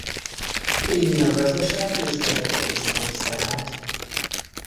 Élén a gazdasági és közlekedési miniszter állt.